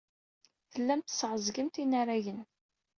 Tellamt tesseɛẓagemt inaragen.